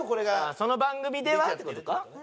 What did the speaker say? その番組ではって事か？